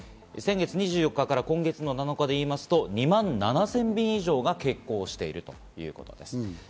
先月２４日から今月７日でいいますと２万７０００便以上が欠航しているということです。